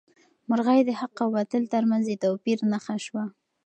مرغۍ د حق او باطل تر منځ د توپیر نښه شوه.